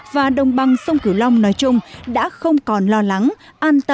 và đồng bằng sông kiều long nói chung đã không còn lo lắng an tâm